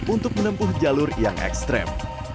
untuk menempuh jalur yang ekstrem